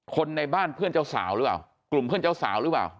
คนในบ้านเพื่อนเจ้าสาวหรือเปล่ากลุ่มเพื่อนเจ้าสาวหรือเปล่า